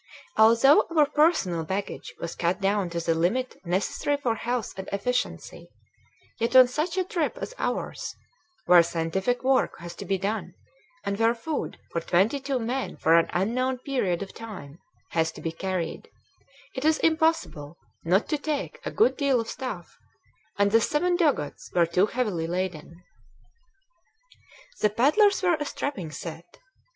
Although our personal baggage was cut down to the limit necessary for health and efficiency, yet on such a trip as ours, where scientific work has to be done and where food for twenty two men for an unknown period of time has to be carried, it is impossible not to take a good deal of stuff; and the seven dugouts were too heavily laden. The paddlers were a strapping set.